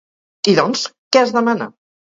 I doncs, què es demana?